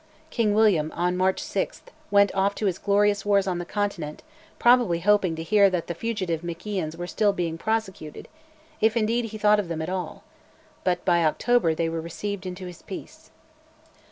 King William, on March 6, went off to his glorious wars on the Continent, probably hoping to hear that the fugitive MacIans were still being "prosecuted" if, indeed, he thought of them at all. But by October they were received into his peace.